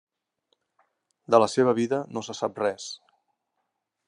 De la seva vida no se sap res.